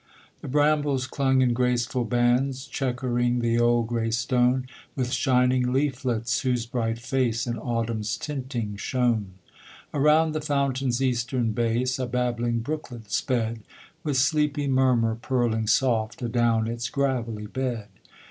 The brambles clung in graceful bands, Chequering the old gray stone With shining leaflets, whose bright face In autumn's tinting shone. Around the fountain's eastern base A babbling brooklet sped, With sleepy murmur purling soft Adown its gravelly bed.